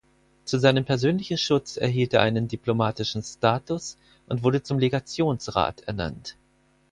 Zu seinem persönlichen Schutz erhielt er einen diplomatischen Status und wurde zum Legationsrat ernannt.